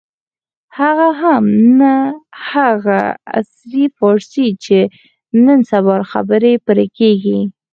هغه هم نه هغه عصري فارسي چې نن سبا خبرې پرې کېږي.